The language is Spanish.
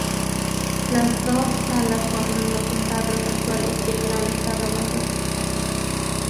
Las dos salas forman los establos actuales y el gran establo mayor.